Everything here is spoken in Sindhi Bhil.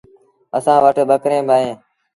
اسآݩ وٽ ٻڪريݩ با اوهيݩ۔